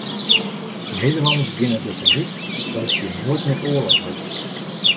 Nederlanners geane derfan út dat it hjir noait mear oarloch wurdt.